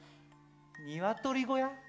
ニワトリ小屋？